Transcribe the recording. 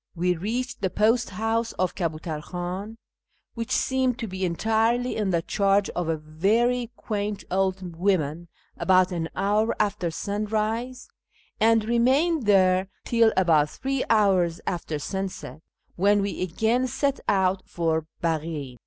We reached the post house of Kabutar Khan (which seemed to be entirely in the charge of a very quaint old woman) about an hour after sunrise, and remained there till about three hours after sunset, when we again set out for Baghin.